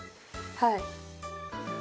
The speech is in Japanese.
はい。